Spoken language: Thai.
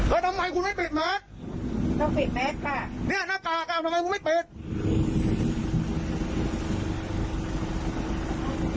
เออทำไมคุณไม่เปลี่ยนแมสต้องเปลี่ยนแมสค่ะเนี้ยหน้ากากอ่ะ